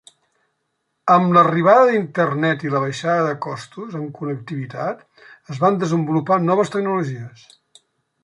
Amb l'arribada d'Internet i la baixada de costos en connectivitat es van desenvolupar noves tecnologies.